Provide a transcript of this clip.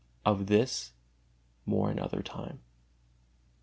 Of this more another time.